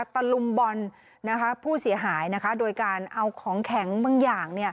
ตะลุมบอลผู้เสียหายโดยการเอาของแข็งบางอย่าง